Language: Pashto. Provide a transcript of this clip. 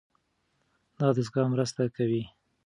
دا دستګاه مرسته کوي.